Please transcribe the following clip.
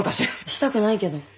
したくないけど。